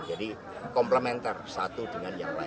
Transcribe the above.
jadi komplementer satu dengan yang lain